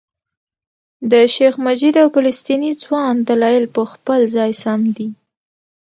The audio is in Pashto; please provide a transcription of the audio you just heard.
د شیخ مجید او فلسطیني ځوان دلایل په خپل ځای سم دي.